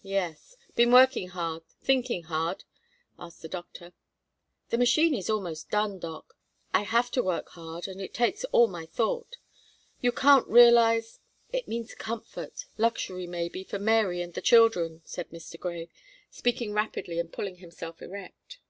"Yes. Been working hard, thinking hard?" asked the doctor. "The machine is almost done, doc. I have to work hard, and it takes all my thought. You can't realize it means comfort, luxury maybe, for Mary and the children," said Mr. Grey, speaking rapidly and pulling himself erect.